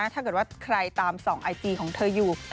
ถ้าเกิดว่าใครตามส่องไอจีของเธออยู่